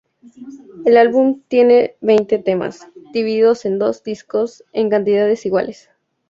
El álbum tiene veinte temas, divididos en dos discos, en cantidades iguales.